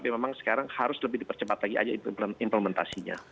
memang sekarang harus lebih dipercepat lagi aja implementasinya